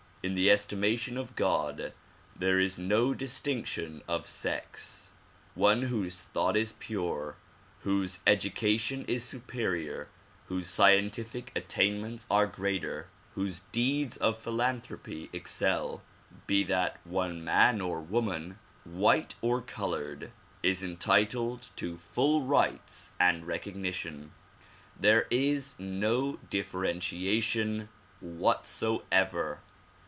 In the estimation of God there is no distinction of sex. One whose thought is pure, whose education is superior, whose scientific attainments are greater, whose deeds of philanthropy excel, be that one man or woman, white or colored, is entitled to full rights and recognition ; there is no differentiation uhatsoever.